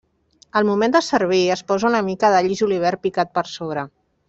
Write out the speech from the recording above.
Al moment de servir es posa una mica d'all i julivert picat per sobre.